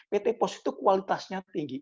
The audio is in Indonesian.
pt pos itu kualitasnya tinggi